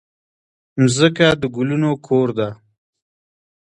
مځکه د ګلونو کور ده.